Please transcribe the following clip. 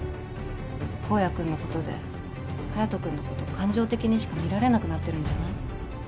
公哉君のことで隼人君のこと感情的にしか見られなくなってるんじゃない？